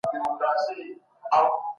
هوا په پامیر کي تل سړه او یخه وي.